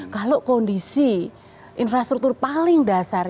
kalau kondisi infrastruktur paling dasar